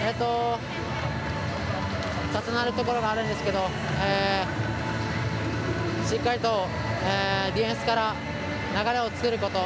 重なるところがあるんですけどしっかりと、ディフェンスから流れを作ること。